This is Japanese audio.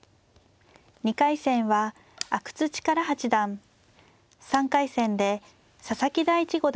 ２回戦は阿久津主税八段３回戦で佐々木大地